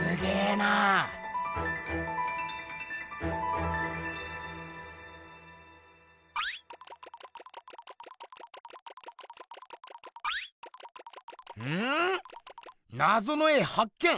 なぞの絵はっ見！